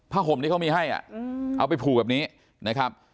ห่มที่เขามีให้เอาไปผูกแบบนี้นะครับ